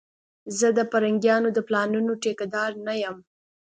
زه د پرنګيانو د پلانونو ټيکه دار نه یم